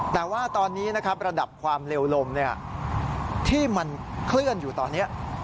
แต่ว่าตอนนี้นะครับระดับความเร็วลมที่มันเคลื่อนอยู่ตอนนี้